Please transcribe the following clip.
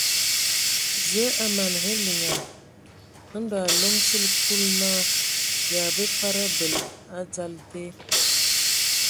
Zǝə a mana hm liŋan. Ndo a alom sili Kulu naa yǝ a mbǝ fad abel a dzal die.